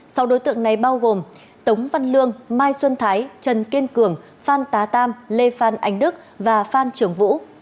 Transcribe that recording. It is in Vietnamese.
sau đối tượng này bao gồm tống văn lương mai xuân thái trần kiên cường phan tá tam lê phan anh đức và phan trường vũ